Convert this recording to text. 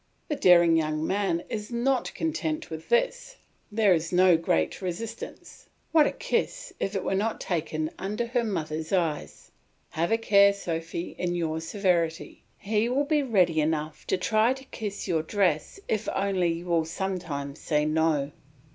The daring young man is not content with this; there is no great resistance. What a kiss, if it were not taken under her mother's eyes. Have a care, Sophy, in your severity; he will be ready enough to try to kiss your dress if only you will sometimes say "No."